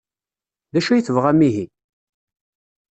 D acu ay tebɣam ihi?